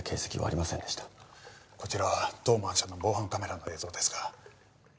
こちらは当マンションの防犯カメラの映像ですが。